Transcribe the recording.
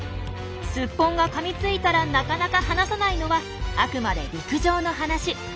スッポンがかみついたらなかなか離さないのはあくまで陸上の話。